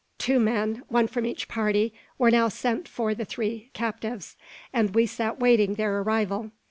Two men, one from each party, were now sent for the three captives, and we sat waiting their arrival.